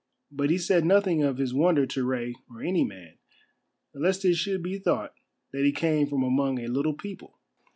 But he said nothing of his wonder to Rei or any man, lest it should be thought that he came from among a little people.